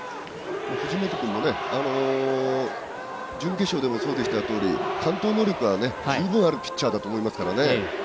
藤本君も準決勝でもそうでしたとおり完投能力が十分あるピッチャーだと思いますからね。